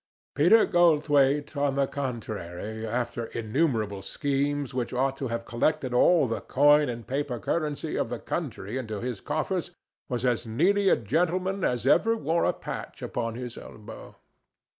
Peter Goldthwaite, on the contrary, after innumerable schemes which ought to have collected all the coin and paper currency of the country into his coffers, was as needy a gentleman as ever wore a patch upon his elbow.